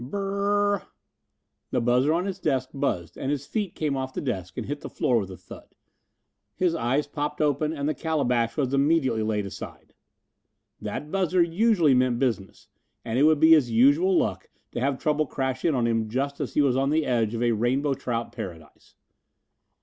B r r r r! The buzzer on his desk buzzed and his feet came off the desk and hit the floor with a thud. His eyes popped open and the calabash was immediately laid aside. That buzzer usually meant business, and it would be his usual luck to have trouble crash in on him just as he was on the edge of a rainbow trout paradise.